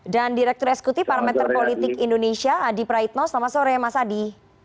dan direktur eskuti parameter politik indonesia adi praitno selamat sore mas adi